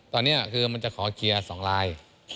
ตอนนี้คือมันจะขอเคลียร์๒ลาย